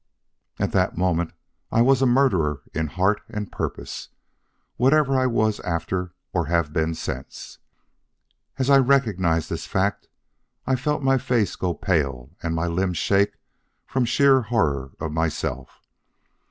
At that moment I was a murderer in heart and purpose, whatever I was after or have been since. As I recognized this fact, I felt my face go pale and my limbs shake from sheer horror of myself.